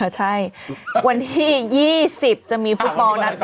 ใช่วันที่๒๐จะมีฟุตบอลนัดต่อ